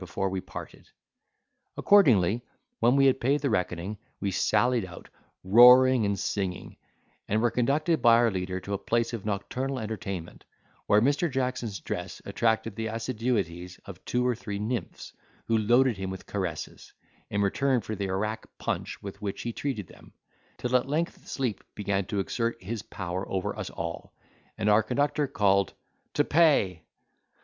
before we parted Accordingly, when he had paid the reckoning, we sallied out, roaring and singing; and were conducted by our leader to a place of nocturnal entertainment, where Mr. Jackson's dress attracted the assiduities of two or three nymphs, who loaded him with caresses, in return for the arrack punch with which he treated them, till at length sleep began to exert his power over us all, and our conductor called "To pay."